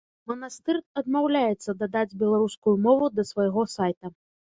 Манастыр адмаўляецца дадаць беларускую мову да свайго сайта.